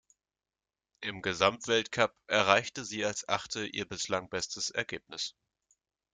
Im Gesamtweltcup erreichte sie als Achte ihr bislang bestes Ergebnis.